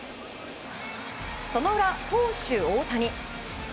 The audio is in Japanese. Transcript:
その裏、投手・大谷。